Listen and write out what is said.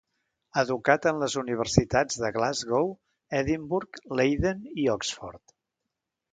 Educat en les universitats de Glasgow, Edimburg, Leiden i Oxford.